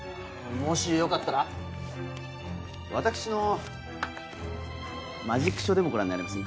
もしよかったら私のマジックショーでもご覧になりませんか？